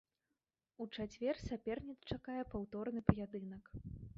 У чацвер саперніц чакае паўторны паядынак.